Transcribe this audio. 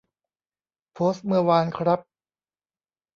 โพสต์เมื่อวานครับ